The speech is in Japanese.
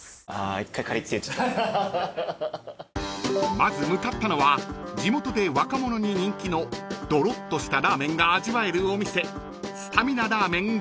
［まず向かったのは地元で若者に人気のドロッとしたラーメンが味わえるお店］